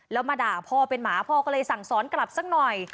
แล้วมาด่าพ่อเป็นหมาพ่อก็เลยสั่งสอนกลับสักหน่อย